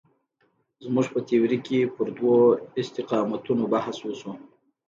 زموږ په تیورۍ کې پر دوو استقامتونو بحث وشو.